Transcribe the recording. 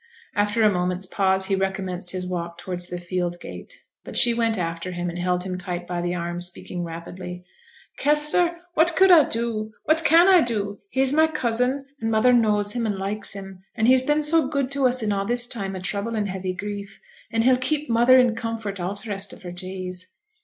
After a moment's pause he recommenced his walk towards the field gate. But she went after him and held him tight by the arm, speaking rapidly. 'Kester, what could I do? What can I do? He's my cousin, and mother knows him, and likes him; and he's been so good to us in a' this time o' trouble and heavy grief, and he'll keep mother in comfort all t' rest of her days.'